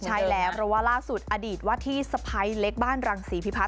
ใช่แล้วเพราะว่าล่าสุดอดีตว่าที่สะพ้ายเล็กบ้านรังศรีพิพัฒ